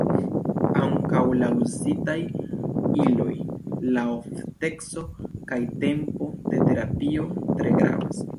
Ankaŭ la uzitaj iloj, la ofteco kaj tempo de terapio tre gravas.